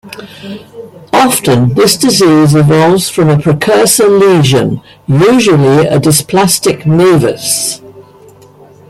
Often, this disease evolves from a precursor lesion, usually a dysplastic nevus.